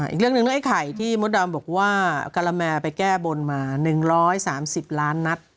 อีกเรื่องนึงคือไอ้ไข่ที่มมติดาวบอกว่ากาลแม้ไปแก้บนมา๑๓๐ล้านนัท